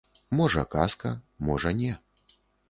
Можа, казка, можа, не.